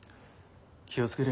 気を付けれ。